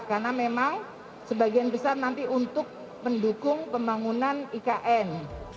karena memang sebagian besar nanti untuk mendukung pembangunan ikn